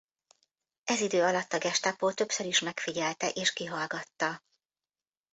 Ez idő alatt a Gestapo többször is megfigyelte és kihallgatta.